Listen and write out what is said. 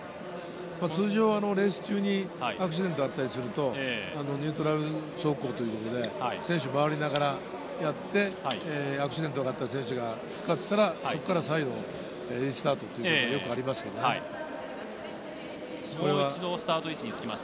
通常はレース中にアクシデントがあったりするとニュートラル走行ということで、選手が回りながらやってアクシデントがあった選手が復活したらそこから最後、全員スタートということがよくあります。